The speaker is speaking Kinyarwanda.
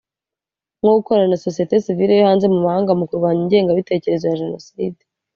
nko gukorana na société civile yo hanze mu mahanga mu kurwanya ingengabitekerezo ya Jenoside